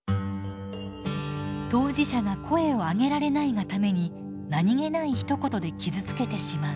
当事者が声をあげられないがために何気ないひと言で傷つけてしまう。